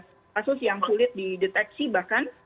jadi ini sudah kasus yang sulit dideteksi bahkan